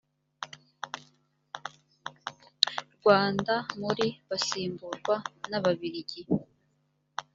rwanda muri basimburwa n ababirigi